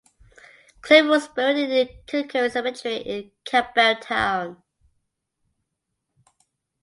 Clifford was buried in Kilkerran Cemetery in Campbeltown.